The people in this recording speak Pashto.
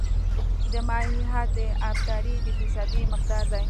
د مایع حد د ابدارۍ د فیصدي مقدار دی